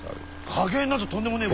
加減なぞとんでもねえ。